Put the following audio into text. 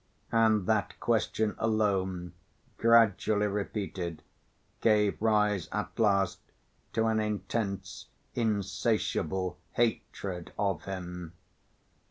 And that question alone, gradually repeated, gave rise at last to an intense, insatiable hatred of him.